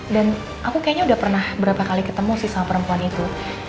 dan aku kayaknya udah pernah berapa kali ketemu sama perempuan itu